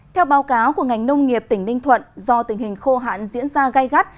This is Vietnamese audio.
theo báo cáo của ngành nông nghiệp tỉnh ninh thuận do tình hình khô hạn diễn ra gai gắt